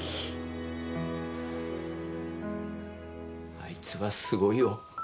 あいつはすごいよ